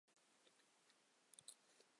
出生在肯塔基州。